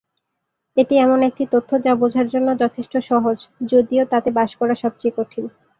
এটি এমন একটি তথ্য যা বোঝার জন্য যথেষ্ট সহজ যদিও তাতে বাস করা সবচেয়ে কঠিন।